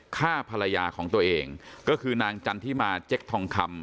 ฆ่าภรรยาของตัวเองก็คือนางจันทิมาเจ๊กทองคำ